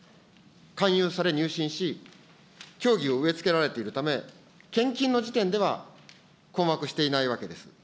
勧誘され、入信し、教義を植えつけられているため、献金の時点では困惑していないわけです。